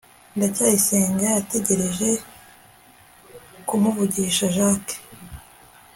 ndacyayisenga yagerageje cy kumvisha jaki